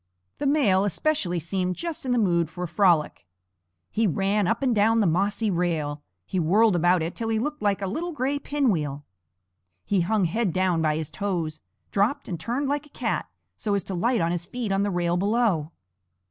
The male especially seemed just in the mood for a frolic. He ran up and down the mossy rail; he whirled about it till he looked like a little gray pinwheel; he hung head down by his toes, dropped, and turned like a cat, so as to light on his feet on the rail below.